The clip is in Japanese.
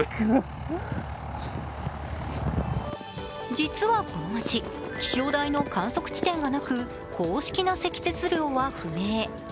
実はこの町、気象台の観測地点がなく公式な積雪量は不明。